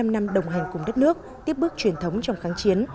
bảy mươi năm năm đồng hành cùng đất nước tiếp bước truyền thống trong kháng chiến